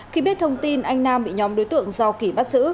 khi biết thông tin anh nam bị nhóm đối tượng giao kỳ bắt giữ